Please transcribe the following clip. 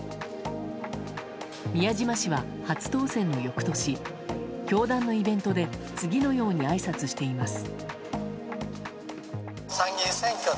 宮島氏は初当選の翌年教団のイベントで次のように、あいさつしています。